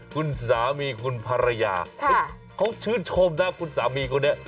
คุณสามีคุณภรรยาเขาชื่นชมนะคุณสามีคนนี้